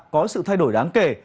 có sự thay đổi đáng kể